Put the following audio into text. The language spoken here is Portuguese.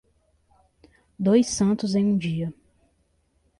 Dois santos em um dia.